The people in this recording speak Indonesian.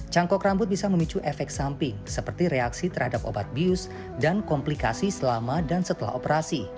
cangkok rambut bisa memicu efek samping seperti reaksi terhadap obat bius dan komplikasi selama dan setelah operasi